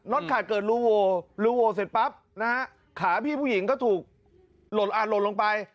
น็อตขาดเกิดรูโวเสร็จปั๊บขาพี่ผู้หญิงก็ถูกหล่นลงไป